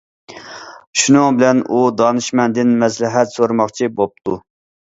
شۇنىڭ بىلەن ئۇ دانىشمەندىن مەسلىھەت سورىماقچى بوپتۇ.